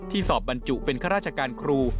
สอบบรรจุเป็นข้าราชการครู